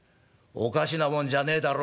「おかしなもんじゃねえ。